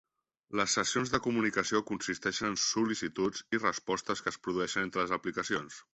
Les sessions de comunicació consisteixen en sol·licituds i respostes que es produeixen entre les aplicacions.